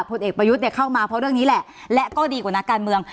ผลเอกประยุทธ์เนี่ยเข้ามาเพราะเรื่องนี้แหละและก็ดีกว่านักการเมือง